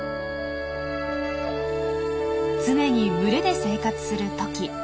常に群れで生活するトキ。